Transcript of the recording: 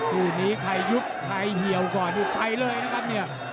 คู่นี้ใครยุบใครเหี่ยวก่อนนี่ไปเลยนะครับเนี่ย